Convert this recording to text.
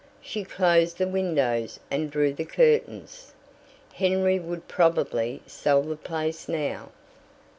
She closed the windows and drew the curtains. Henry would probably sell the place now.